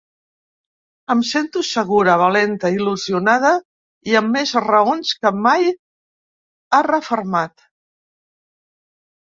Em sento segura, valenta, il·lusionada i amb més raons que mai, ha refermat.